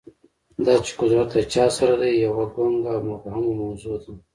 دا چې قدرت له چا سره دی، یوه ګونګه او مبهمه موضوع ده.